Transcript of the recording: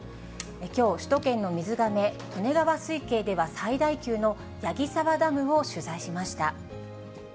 きょう、首都圏の水がめ、利根川水系では最大級の矢木沢ダムを取材しました。